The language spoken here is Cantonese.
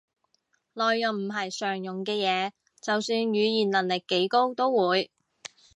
內容唔係常用嘅嘢，就算語言能力幾高都會